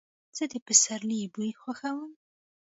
زه د سپرلي بوی خوښوم.